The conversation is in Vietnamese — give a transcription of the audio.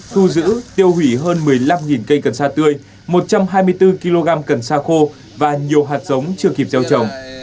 thu giữ tiêu hủy hơn một mươi năm cây cần sa tươi một trăm hai mươi bốn kg cần sa khô và nhiều hạt giống chưa kịp gieo trồng